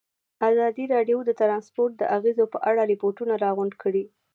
ازادي راډیو د ترانسپورټ د اغېزو په اړه ریپوټونه راغونډ کړي.